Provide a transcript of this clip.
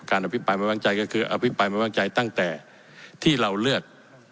อภิปรายไม่วางใจก็คืออภิปรายไม่วางใจตั้งแต่ที่เราเลือก